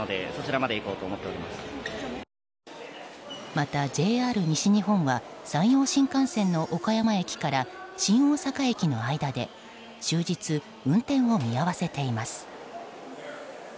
またＪＲ西日本は山陽新幹線の岡山駅から新大阪駅の間で終日運転を見合わせています。